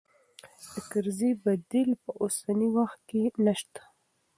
د کرزي بديل په اوسني وخت کې نه شته.